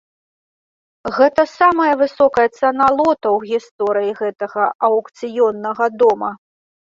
Гэта самая высокая цана лота ў гісторыі гэтага аўкцыённага дома.